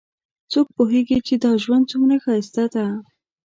څوک پوهیږي چې دا ژوند څومره ښایسته ده